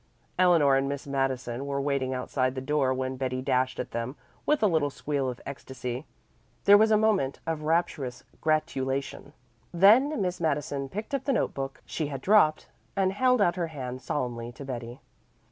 Eleanor and Miss Madison were waiting outside the door when Betty dashed at them with a little squeal of ecstasy. There was a moment of rapturous congratulation; then Miss Madison picked up the note book she had dropped and held out her hand solemnly to Betty.